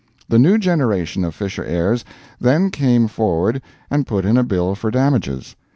The new generation of Fisher heirs then came forward and put in a bill for damages.